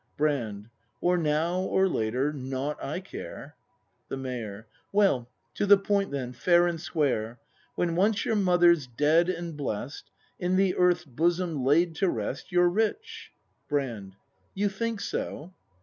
Brand. Or now or later, nought I care. The Mayor. Well, to the point then, fair and square. When once your mother's dead and blest. In the earth's bosom laid to rest, You're rich! Brand. You think so